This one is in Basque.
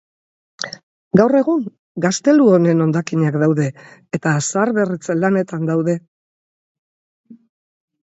Gaur egun gaztelu honen hondakinak daude eta zaharberritze lanetan daude.